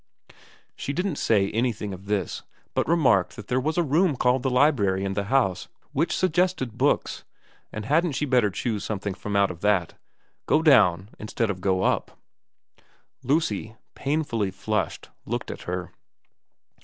She didn't say anything of this, but remarked that there was a room called the library in the house which VERA 329 suggested books, and hadn't she better choose some thing from out of that, go down, instead of go up. Lucy, painfully flushed, looked at her.